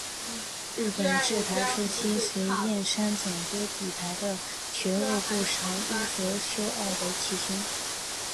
日本治台初期随桦山总督抵台的学务部长伊泽修二为其兄。